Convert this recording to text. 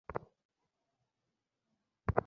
আমিও গান না শুনে ঘুমাতে পারি না?